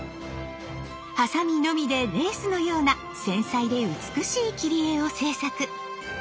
ハサミのみでレースのような繊細で美しい切り絵を制作。